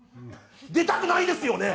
出たくないですよね？